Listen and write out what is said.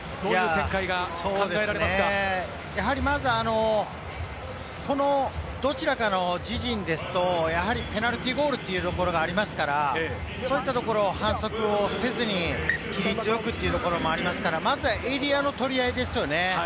やはりまずはこのどちらかの自陣ですと、ペナルティーゴールというところがありますから、そういったところを反則をせずに、規律よくというところもありますから、まずはエリアの取り合いですよね。